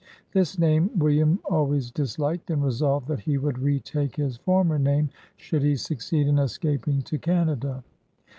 This name Wil liam always disliked, and resolved that he would retake his former name should he succeed in escaping to Can ada.